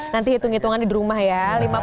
nanti hitung hitungan di rumah ya